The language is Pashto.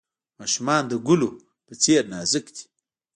ماشومان د ګلونو په څیر نازک دي.